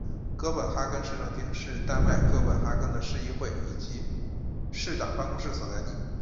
哥本哈根市政厅是丹麦哥本哈根的市议会以及市长办公室所在地。